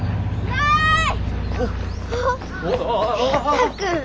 はい。